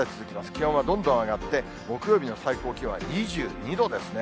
気温はどんどん上がって、木曜日の最高気温は２２度ですね。